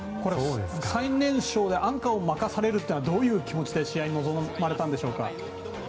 最年少でアンカーを任されるというのはどういう気持ちで試合に臨まれたんでしょうか。